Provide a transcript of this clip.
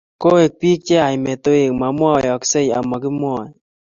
koek bik cheyach metoek mamwaksei amakimwae